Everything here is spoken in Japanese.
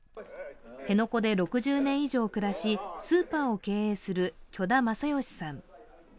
辺野古で６０年以上暮らし、スーパーを経営する許田正儀さん。